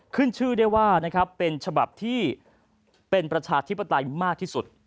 ขึ้นชื่อได้ว่าเป็นฉบับที่เป็นประชาธิปไตยมากที่สุด